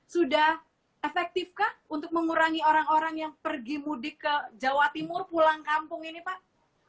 sudah efektifkah untuk mengurangi orang orang yang pergi mudik ke jawa timur pulang kampung ini pak